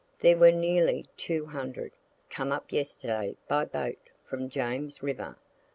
There were nearly 200, come up yesterday by boat from James river.